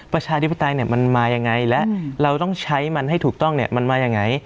ประชาธิปไตยมันมายังไงและเราต้องใช้มันให้ถูกต้องเนี่ยมันมายังไง